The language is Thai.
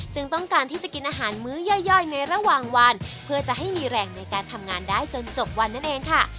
ต้องการที่จะกินอาหารมื้อย่อยในระหว่างวันเพื่อจะให้มีแรงในการทำงานได้จนจบวันนั่นเองค่ะ